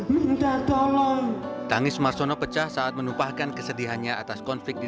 minta tolong tangis marsono pecah saat menumpahkan kesedihannya atas konflik di